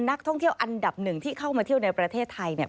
นักท่องเที่ยวอันดับหนึ่งที่เข้ามาเที่ยวในประเทศไทยเนี่ย